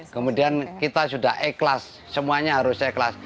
kemudian kita sudah ikhlas semuanya harus ikhlas